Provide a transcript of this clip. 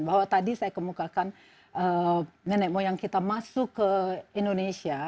bahwa tadi saya kemukakan nenek moyang kita masuk ke indonesia